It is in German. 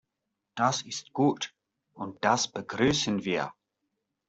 Das ist gut und das begrüßen wir.